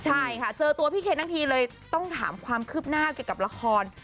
ใช่ค่ะเจอตัวพี่เคนทั้งทีเลยต้องถามความคืบหน้าเกี่ยวกับละคร